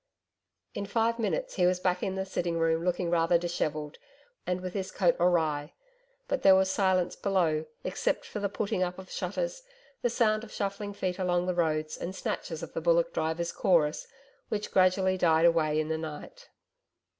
In five minutes he was back in the sitting room, looking rather dishevelled, and with his coat awry. But there was silence below except for the putting up of shutters, the sound of shuffling feet along the road and snatches of the bullock drivers' chorus which gradually died away in the night.